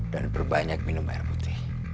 dan berbanyak minum air putih